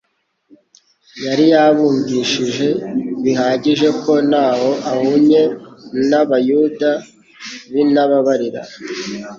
yari yabumvishije bihagije ko ntaho ahunye n'Abayuda b'intababarira.